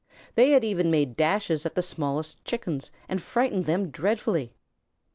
They had even made dashes at the smallest Chickens and frightened them dreadfully.